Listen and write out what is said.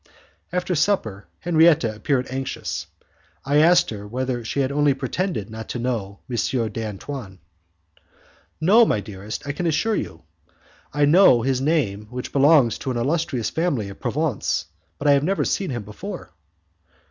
After supper, Henriette appeared anxious. I asked her whether she had only pretended not to know M. d'Antoine. "No, dearest, I can assure you. I know his name which belongs to an illustrious family of Provence, but I have never seen him before."